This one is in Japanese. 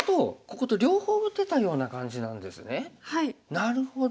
なるほど。